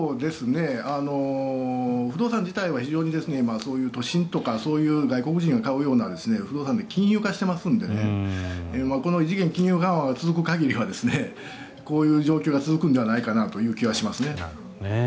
不動産自体は非常に、そういう都心とかそういう外国人が買うような不動産って金融化していますのでこの異次元金融緩和が続く限りはこういう状況が続くのではないかなという気がしますね。